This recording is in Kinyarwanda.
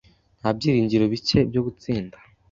Nta byiringiro bike byo gutsinda.